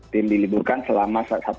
tim diliburkan selama